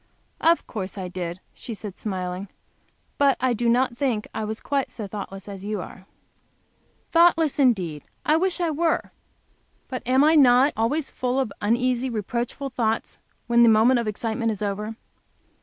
"Of course I did," she said, smiling. "But I do not think I was quite so thoughtless as you are." "Thoughtless" indeed! I wish I were! But am I not always full of uneasy, reproachful thoughts when the moment of excitement is over?